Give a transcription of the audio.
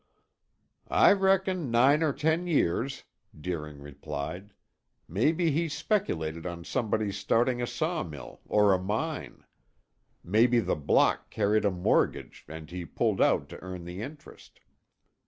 "I reckon nine or ten years," Deering replied. "Maybe he speculated on somebody's starting a sawmill or a mine. Maybe the block carried a mortgage and he pulled out to earn the interest.